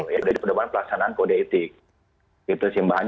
jadi perdoaan pelaksanaan kode etik